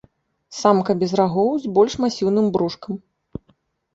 Самка без рагоў, з больш масіўным брушкам.